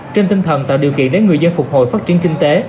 trên tinh thần tạo điều kiện để người dân phục hồi phát triển kinh tế